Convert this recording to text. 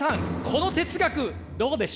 この哲学どうでしょう？